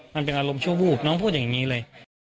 มันเป็นอารมณ์ชั่ววูบน้องพูดอย่างนี้เลย